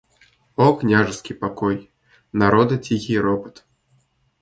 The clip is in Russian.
О княжеский покой, народа тихий ропот.